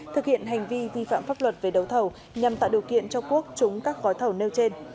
thực hiện hành vi vi phạm pháp luật về đấu thầu nhằm tạo điều kiện cho quốc chúng các gói thầu nêu trên